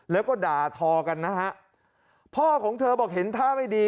แล้วก็ด่าทอกันนะฮะพ่อของเธอบอกเห็นท่าไม่ดี